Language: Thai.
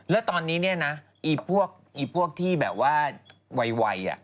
และตอนนี้เนี่ยนะอีพวกที่แบบว่าวัยอะ